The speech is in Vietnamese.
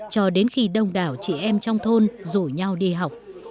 cho đến khi đông đảo chị em trong thôn rủ nhau đi học